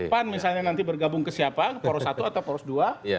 pan misalnya nanti bergabung ke siapa poros satu atau poros dua